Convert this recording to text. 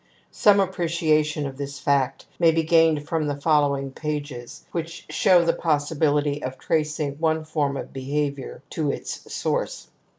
Some appreciation of this fact may be gained from the following pages which show the possibility of tracing one form of behavior to its source.